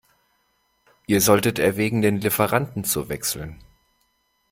Ihr solltet erwägen, den Lieferanten zu wechseln.